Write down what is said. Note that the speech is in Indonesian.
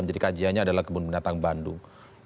jadi kajiannya adalah kebun binatang bandung